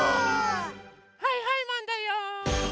はいはいマンだよ！